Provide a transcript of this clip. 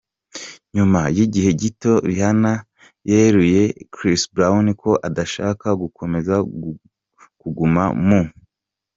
nyuma yigihe gito Rihanna yeruriye Chris Brown ko adashaka gukomeza kuguma mu.